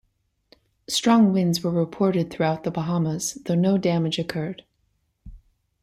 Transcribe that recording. Strong winds were reported throughout the Bahamas, though no damage occurred.